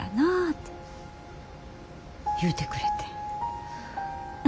て言うてくれてん。